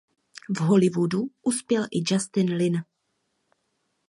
V Hollywoodu uspěl i Justin Lin.